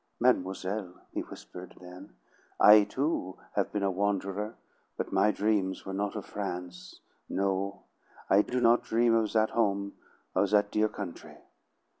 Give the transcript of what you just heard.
"Mademoiselle," he whispered then, "I, too, have been a wanderer, but my dreams were not of France; no, I do not dream of that home, of that dear country.